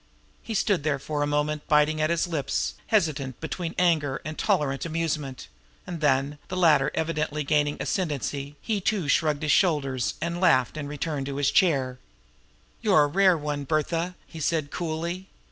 He stood there for a moment biting at his lips, hesitant between anger and tolerant amusement; and then, the latter evidently gaining the ascendency, he too shrugged his shoulders, and with a laugh returned to his chair. "You're a rare one, Bertha!" he said coolly.